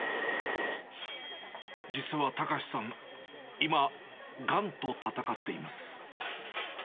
実は隆さん、今、がんと闘っています。